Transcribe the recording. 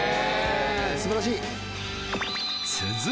素晴らしい！